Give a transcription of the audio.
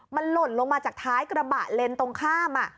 มันหล่นลงมาจากท้ายกระบะเลนส์ตรงข้าม